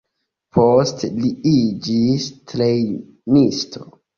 Poste li iĝis trejnisto.